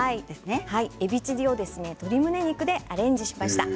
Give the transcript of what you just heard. チリを鶏むね肉でアレンジしました。